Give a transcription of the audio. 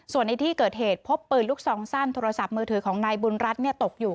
ส่วนในที่เกิดเหตุพบปืนลูกซองสั้นโทรศัพท์มือถือของนายบุญรัฐตกอยู่